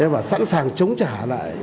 và sẵn sàng chống trả lại